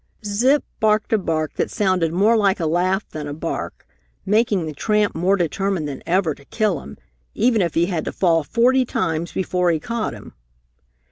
Zip barked a bark that sounded more like a laugh than a bark, making the tramp more determined than ever to kill him, even if he had to fall forty times before he caught him.